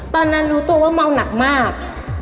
ตอนนั้นรู้ตัวว่าเมาหนักมาก